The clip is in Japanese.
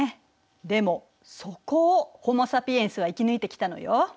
でもそこをホモ・サピエンスは生き抜いてきたのよ。